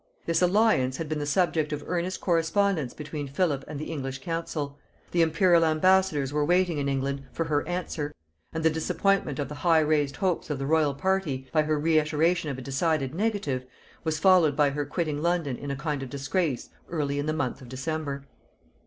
This alliance had been the subject of earnest correspondence between Philip and the English council; the Imperial ambassadors were waiting in England for her answer; and the disappointment of the high raised hopes of the royal party, by her reiteration of a decided negative, was followed by her quitting London in a kind of disgrace early in the month of December.